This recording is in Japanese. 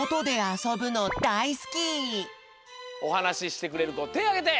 おはなししてくれるこてあげて！